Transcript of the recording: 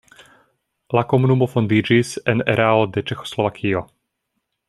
La komunumo fondiĝis en erao de Ĉeĥoslovakio.